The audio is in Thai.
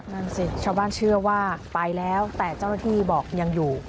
นั่นสิชาวบ้านเชื่อว่าไปแล้วแต่เจ้าหน้าที่บอกยังอยู่